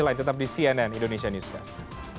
lain tetap di cnn indonesia newscast